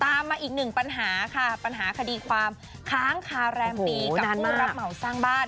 มาอีกหนึ่งปัญหาค่ะปัญหาคดีความค้างคาแรมปีกับการรับเหมาสร้างบ้าน